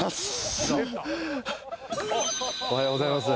おはようございます。